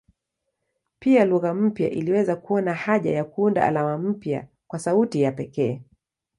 Pia lugha mpya iliweza kuona haja ya kuunda alama mpya kwa sauti ya pekee.